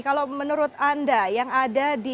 kalau menurut anda yang ada di